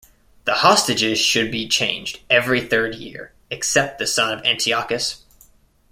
The hostages should be changed every third year, except the son of Antiochus.